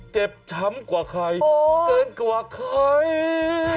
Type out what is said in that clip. เจ็บช้ำกว่าใครเกินกว่าใคร